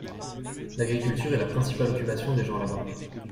L'agriculture est la principale occupation des gens la-bàs.